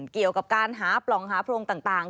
เกี่ยวกับการหาปล่องหาโพรงต่าง